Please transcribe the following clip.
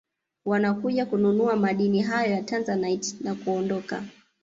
Wanakuja kununua madini hayo ya Tanzanite na kuondoka